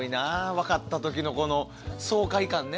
分かった時のこの爽快感ね。